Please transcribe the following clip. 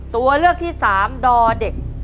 ตัวเลือกที่๓ดอเด็ก